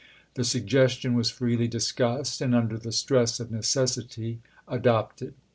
The suggestion was freely discussed, and under the stress of necessity adopted.